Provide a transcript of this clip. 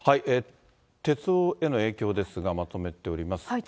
鉄道への影響ですが、まとめております。